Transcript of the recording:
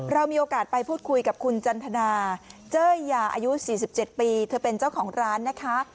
เรามีโอกาสไปพูดคุยกับคุณจันทนาเจ้ยยาอายุ๔๗ปีเธอเป็นเจ้าของร้านนะคะ